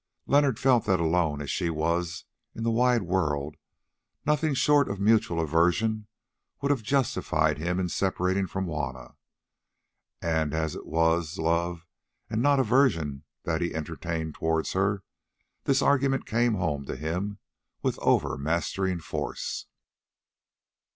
Leonard felt that alone as she was in the wide world, nothing short of mutual aversion would have justified him in separating from Juanna, and as it was love and not aversion that he entertained towards her, this argument came home to him with overmastering force.